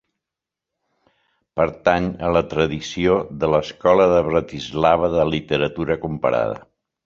Pertany a la tradició de l'Escola de Bratislava de Literatura Comparada.